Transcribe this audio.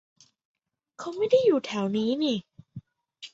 เขาไม่ได้อยู่แถวนี้นี่